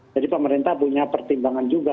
jadi pemerintah punya pertimbangan juga